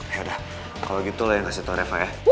yaudah kalau gitu lah yang kasih tau reva ya